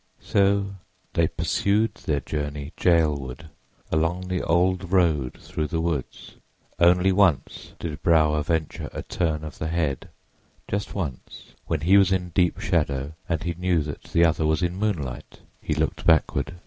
So they pursued their journey jailward along the old road through the woods. Only once did Brower venture a turn of the head: just once, when he was in deep shadow and he knew that the other was in moonlight, he looked backward.